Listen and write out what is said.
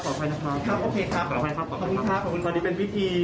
ขอบคุณค่ะขอบคุณค่ะแต่ว่าดีเป็นวิธี